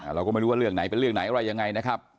เราก็ไม่รู้ว่าเรื่องไหนเป็นเรื่องไหนอะไรยังไงนะครับ